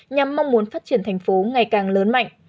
nhằm mong muốn phát triển thành phố ngày càng lớn mạnh